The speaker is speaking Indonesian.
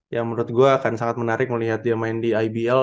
yang menurut gue akan sangat menarik melihat dia main di ibl